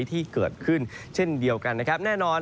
ที่เกิดขึ้นเช่นเดียวกันนะครับ